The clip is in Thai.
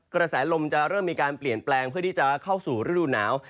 กระแสลมจะเริ่มมีการเปลี่ยนแปลงเพื่อที่จะเข้าสู่ฤดูหนาว